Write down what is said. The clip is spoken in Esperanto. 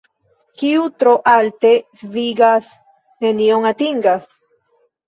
Kiu tro alte svingas, nenion atingas.